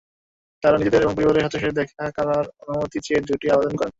তাঁরা নিজেদের এবং পরিবারের সদস্যদের দেখা করার অনুমতি চেয়ে দুটি আবেদন করেন।